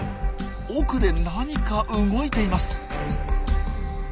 奥で何か動いています。